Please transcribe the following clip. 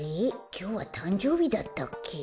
きょうはたんじょうびだったっけ？